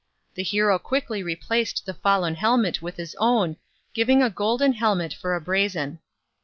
The hero quickly replaced the fallen helmet with his own, giving a golden helmet for a brazen.